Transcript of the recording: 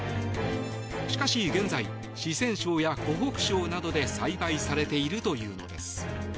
しかし、現在四川省や湖北省などで栽培されているというのです。